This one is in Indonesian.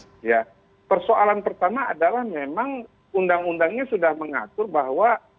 nah persoalan pertama adalah memang undang undangnya sudah mengatur bahwa